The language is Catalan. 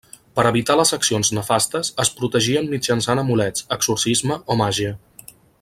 Per evitar les accions nefastes es protegien mitjançant amulets, exorcisme o màgia.